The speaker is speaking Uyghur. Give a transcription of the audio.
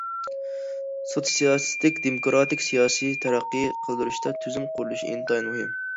سوتسىيالىستىك دېموكراتىك سىياسىينى تەرەققىي قىلدۇرۇشتا تۈزۈم قۇرۇلۇشى ئىنتايىن مۇھىم.